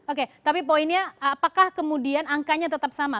oke tapi poinnya apakah kemudian angkanya tetap sama